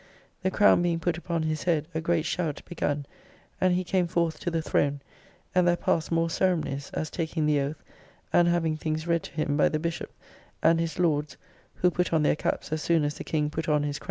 The crown being put upon his head, a great shout begun, and he came forth to the throne, and there passed more ceremonies: as taking the oath, and having things read to him by the Bishop; and his lords (who put on their caps as soon as the King put on his crown) [As yet barons had no coronet.